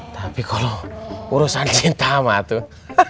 tapi kalau urusan cinta sama tuh